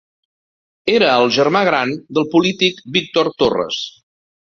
Era el germà gran del polític Víctor Torres.